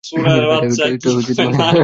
এটা আইনের সম্পূর্ণ পরিপন্থী।